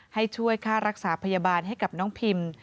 ให้ช่วยค่ารักษาพยาบาลให้กับน้องพิม